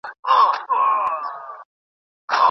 نن په پټه خوله ګویا یم چي خزان را خبر نه سي